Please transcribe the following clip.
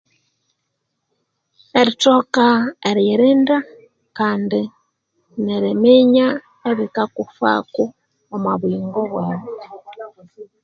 Erithoka eriyinda kandi neriminya ebikakuffako omwa buyingo bwaghu